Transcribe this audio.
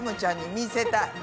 見せたい！